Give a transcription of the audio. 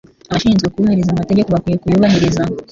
Abashinzwe kubahiriza amategeko bakwiye kuyubahiriza.